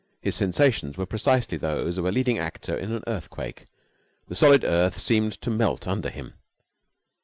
His sensations were precisely those of a leading actor in an earthquake. The solid earth seemed to melt under him.